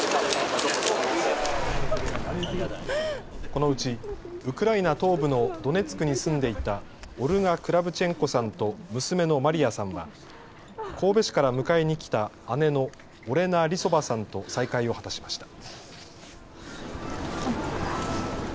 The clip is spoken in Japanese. このうち、ウクライナ東部のドネツクに住んでいたオルガ・クラブチェンコさんと娘のマリアさんは、神戸市から迎えに来た姉のオレナ・リソバさんと再会を果たしました。